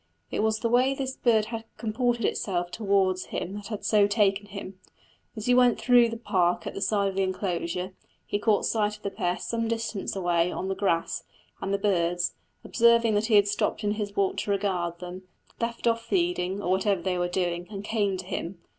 It was the way this bird had comported itself towards him that had so taken him. As he went through the park at the side of the enclosure, he caught sight of the pair some distance away on the grass, and the birds, observing that he had stopped in his walk to regard them, left off feeding, or whatever they were doing, and came to him.